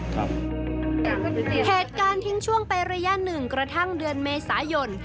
เหตุการณ์ทิ้งช่วงไประยะหนึ่งกระทั่งเดือนเมษายน